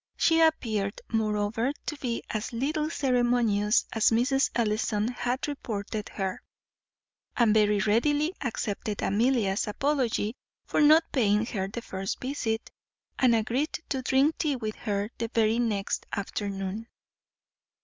She appeared, moreover, to be as little ceremonious as Mrs. Ellison had reported her, and very readily accepted Amelia's apology for not paying her the first visit, and agreed to drink tea with her the very next afternoon.